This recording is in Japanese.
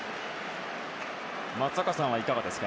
松坂さんはいかがですか。